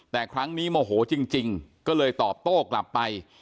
แต่ครั้งนี้โมโหจริงก็เลยตอบโต้กลับไป